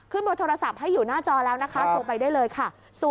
เบอร์โทรศัพท์ให้อยู่หน้าจอแล้วนะคะโทรไปได้เลยค่ะ